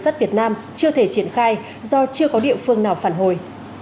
sắt việt nam chưa thể triển khai do chưa có địa phương nào phản hồi